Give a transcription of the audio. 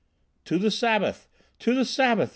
"To the Sabbath! to the Sabbath!"